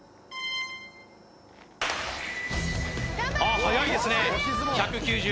あはやいですね